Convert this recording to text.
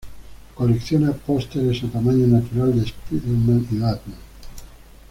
Colecciona pósteres a tamaño natural de Spider-Man y Batman.